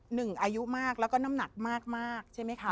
อายุมากแล้วก็น้ำหนักมากใช่ไหมคะ